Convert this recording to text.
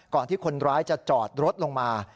ที่คนร้ายจะจอดรถลงมา